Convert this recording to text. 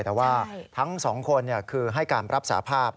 แต่ว่าทั้งสองคนคือให้การรับสาภาพ